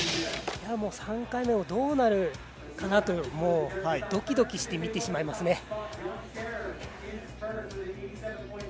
いや、３回目でどうなるかなとドキドキして見てしまいますね。